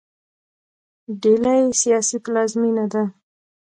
ډیلي سیاسي پلازمینه ده.